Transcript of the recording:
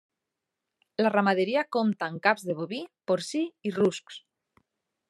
La ramaderia compta amb caps de boví, porcí i ruscs.